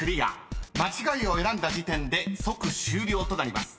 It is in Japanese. ［間違いを選んだ時点で即終了となります］